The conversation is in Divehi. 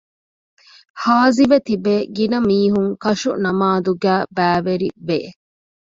ހާޒިވެތިބޭ ގިނަ މީހުން ކަށުނަމާދުގައި ބައިވެރި ވެ